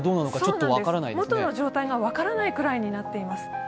もとの状態が分からないくらいになっています。